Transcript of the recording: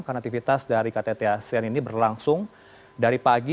karena aktivitas dari ktt asean ini berlangsung dari pagi